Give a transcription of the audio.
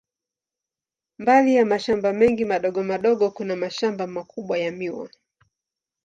Mbali ya mashamba mengi madogo madogo, kuna mashamba makubwa ya miwa.